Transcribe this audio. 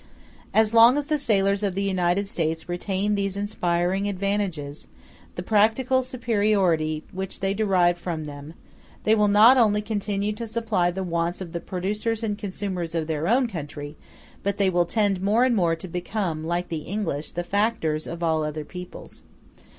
As long as the sailors of the United States retain these inspiriting advantages, and the practical superiority which they derive from them, they will not only continue to supply the wants of the producers and consumers of their own country, but they will tend more and more to become, like the English, the factors of all other peoples.